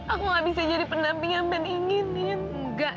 aku nggak bisa jadi penampil yang ingin enggak